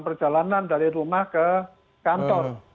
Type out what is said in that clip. perjalanan dari rumah ke kantor